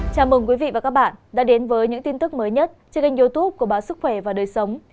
chào mừng quý vị và các bạn đã đến với những tin tức mới nhất trên kênh youtube của báo sức khỏe và đời sống